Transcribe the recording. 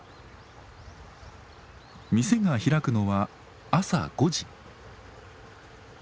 店が開くのは朝５時。